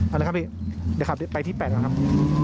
อะไรครับพี่เดี๋ยวขับไปที่๘แล้วครับ